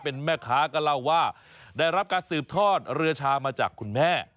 เป็นแม่ค้าก็เล่าว่าได้รับการสืบทอดเรือชามาจากคุณแม่